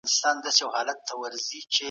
ایا ځايي کروندګر ممیز ساتي؟